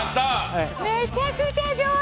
めちゃくちゃ上手！